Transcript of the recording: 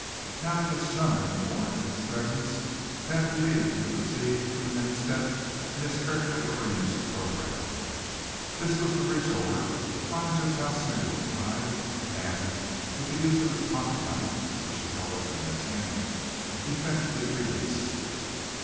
Now that his chum had been warned of his presence Thad believed he could proceed to the next step in his carefully arranged programme. This was to reach over, find just how Smithy was tied, and with the use of his pocket knife, which he held open in his hand, effect his release.